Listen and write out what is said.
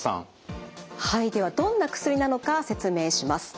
はいではどんな薬なのか説明します。